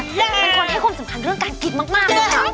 เป็นคนให้ความสำคัญเรื่องการกินมากเลยค่ะ